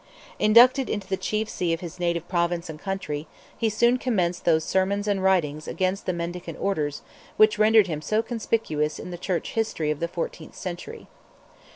Inducted into the chief see of his native Province and country, he soon commenced those sermons and writings against the mendicant orders which rendered him so conspicuous in the Church history of the fourteenth century.